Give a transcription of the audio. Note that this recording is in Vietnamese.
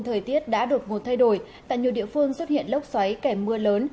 thời tiết đã đột ngột thay đổi tại nhiều địa phương xuất hiện lốc xoáy kèm mưa lớn